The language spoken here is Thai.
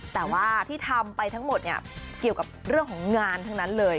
แต่ว่าที่ทำไปทั้งหมดเนี่ยเกี่ยวกับเรื่องของงานทั้งนั้นเลย